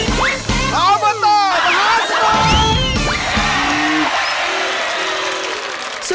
โอโบตอร์มหาสนุก